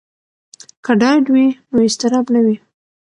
که ډاډ وي نو اضطراب نه وي.